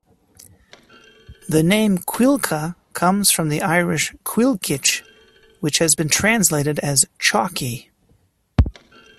The name Cuilcagh comes from the Irish "Cuilceach", which has been translated as "chalky".